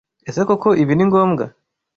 Ese koko ibi ni ngombwa?